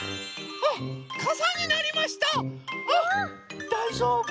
あっだいじょうぶもう。